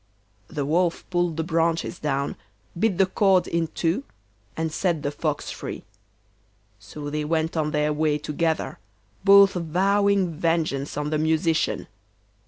The Wolf pulled the branches down, bit the cord in two, and set the Fox free. So they went on their way together, both vowing vengeance on the Musician.